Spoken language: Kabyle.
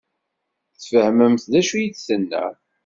Tfehmemt d acu i d-tenna?